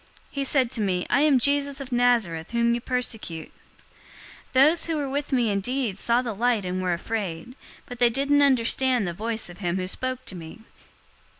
He said to me, 'I am Jesus of Nazareth, whom you persecute.' 022:009 "Those who were with me indeed saw the light and were afraid, but they didn't understand the voice of him who spoke to me.